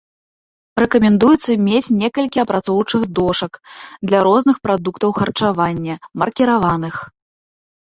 Рэкамендуецца мець некалькі апрацоўчых дошак для розных прадуктаў харчавання, маркіраваных.